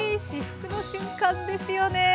至福の瞬間ですよね。